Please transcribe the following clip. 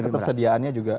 tapi ketersediaannya juga